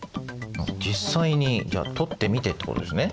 実際にじゃあ撮ってみてってことですね。